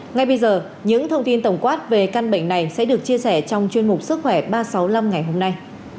ngay bây giờ những thông tin tổng quát về căn bệnh này sẽ được chia sẻ trong chuyên mục sức khỏe ba trăm sáu mươi năm ngày hôm nay